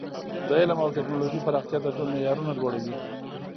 د علم او ټکنالوژۍ پراختیا د ژوند معیارونه لوړوي.